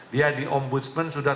dia di ombudsman sudah tiga puluh empat